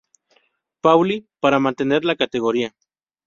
Pauli, para mantener la categoría.